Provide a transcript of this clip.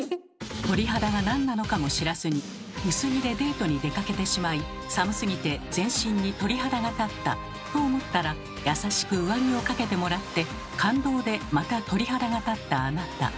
鳥肌が何なのかも知らずに薄着でデートに出かけてしまい寒すぎて全身に鳥肌が立ったと思ったら優しく上着をかけてもらって感動でまた鳥肌が立ったあなた。